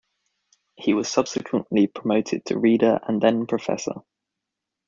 He was subsequently promoted to Reader and then Professor.